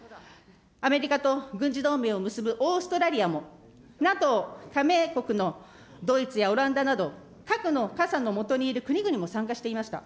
アメリカと軍事同盟を結ぶオーストラリアも、ＮＡＴＯ加盟国のドイツやオランダなど、核の傘の下にいる国々も参加していました。